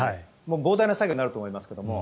膨大な作業になると思いますけど。